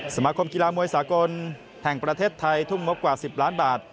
สมาคมกีฬามวยสากลแห่งประเทศไทยทุ่มงบกว่า๑๐ล้านบาท